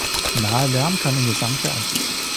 Naher Lärm kann den Gesang beeinflussen.